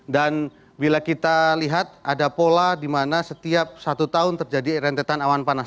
dan bila kita lihat ada pola dimana setiap satu tahun terjadi rentetan awan panas